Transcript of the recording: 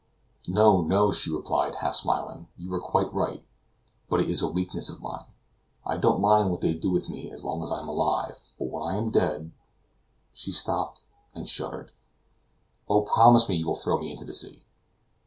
"No, no," she replied, half smiling; "you were quite right. But it is a weakness of mine; I don't mind what they do with me as long as I am alive, but when I am dead " She stopped and shuddered. "Oh, promise me that you will throw me into the sea!"